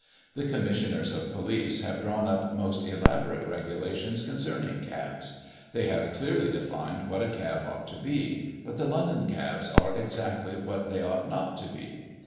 The Commissioners of Police have drawn up most elaborate regulations concerning cabs; they have clearly defined what a cab ought to be, but the London cabs are exactly what they ought not to be.